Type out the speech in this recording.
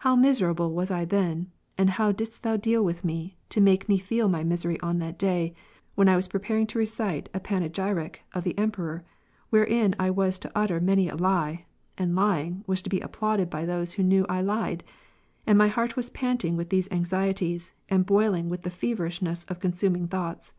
How miserable was I then, and how didst Thou deal with me, to make me feel my misery on that day, when I was preparing to recite a panegyric of the Emperor', wherein I was to utter many a lie, and lying, was to be applauded by those who knew I lied, and my heart was panting with these anxieties, and boiling with the feverishness of consuming thoughts.